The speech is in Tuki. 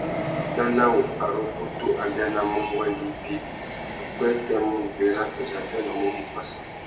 Nana wu, ari ukutu a bianamú nguêndê ibi, upwêpwê mú : Berra uzu a biônômú mú Passa.